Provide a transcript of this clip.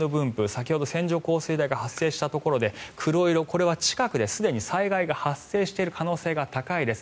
先ほど線状降水帯が発生したところで黒色これは近くですでに災害が発生している可能性が高いです。